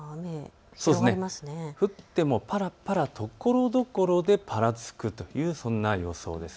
雨は降ってもぱらぱらところどころでぱらつくというそんな予想です。